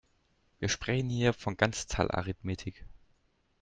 Wir sprechen hier von Ganzzahlarithmetik.